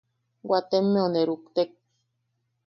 Waatemmeu ne ruktek.